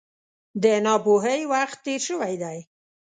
د ناپوهۍ وخت تېر شوی دی.